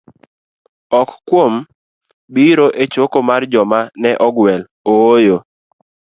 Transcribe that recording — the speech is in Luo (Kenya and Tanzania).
Ok kuom biro e choko mar joma ne ogwel, ooyo.